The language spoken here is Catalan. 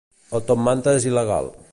El top manta és il·legal